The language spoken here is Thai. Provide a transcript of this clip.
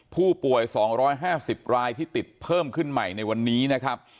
ผู้ป่วย๒๕๐รายที่ติดเพิ่มขึ้นใหม่ในวันนี้นะครับ